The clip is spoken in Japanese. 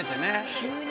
急に。